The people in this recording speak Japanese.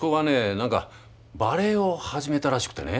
何かバレエを始めたらしくてね。